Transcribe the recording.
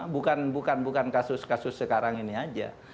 bukan bukan kasus kasus sekarang ini aja